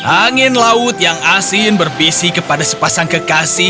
angin laut yang asin berbisi kepada sepasang kekasih